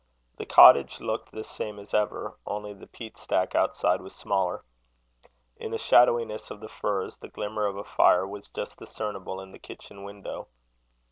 The cottage looked the same as ever, only the peat stack outside was smaller. In the shadowiness of the firs, the glimmer of a fire was just discernible on the kitchen window.